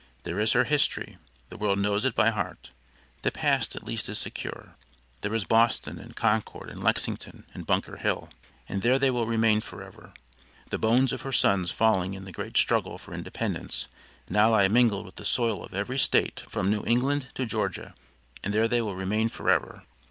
There is her history, the world knows it by heart. The past at least is secure. There is Boston, and Concord, and Lexington, and Bunker Hill, and there they will remain forever. The bones of her sons falling in the great struggle for independence now lie mingled with the soil of every State from New England to Georgia, and there they will remain forever.